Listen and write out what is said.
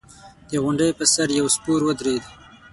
د غونډۍ پر سر يو سپور ودرېد.